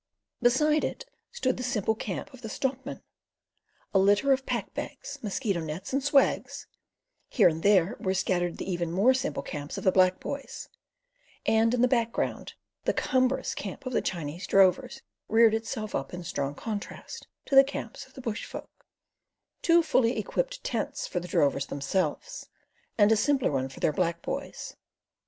Beside it stood the simple camp of the stockman—a litter of pack bags, mosquito nets, and swags; here and there were scattered the even more simple camps of the black boys; and in the background, the cumbrous camp of the Chinese drovers reared itself up in strong contrast to the camps of the bushfolk—two fully equipped tents for the drovers themselves and a simpler one for their black boys.